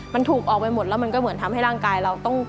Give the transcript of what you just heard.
มันถูกออกไปหมดแล้วมันก็เหมือนทำให้ร่างกายเราต้อง